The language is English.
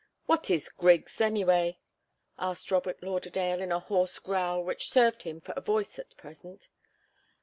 "What is Griggs, anyway?" asked Robert Lauderdale, in the hoarse growl which served him for a voice at present.